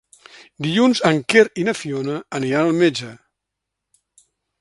Dilluns en Quer i na Fiona aniran al metge.